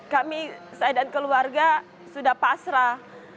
kami saya dan keluarga sudah pasrah